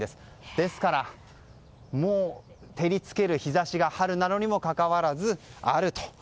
ですから、照りつける日差しが春なのにもかかわらず、あると。